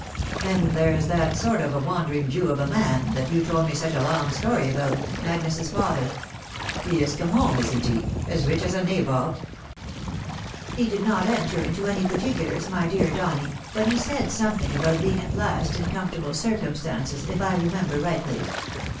Then there's that sort of a wandering Jew of a man, that you told me such a long story about, Agnes's father ; he is come home, isn't he, as rich as a nabob ?"" He did not enter into any particulars, my dear Donny, A MEMORANDUM. 39 but he said something about being at last in comfortable cir cumstances, if I remember rightly.